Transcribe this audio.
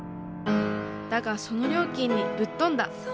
だがその料金にぶっ飛んだ。